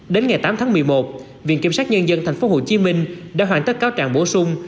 đến ngày tám tháng một mươi một viện kiểm sát nhân dân tp hcm đã hoàn tất cáo trạng bổ sung